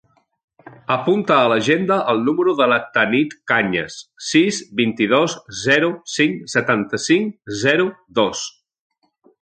Apunta a l'agenda el número de la Tanit Cañas: sis, vint-i-dos, zero, cinc, setanta-cinc, zero, dos.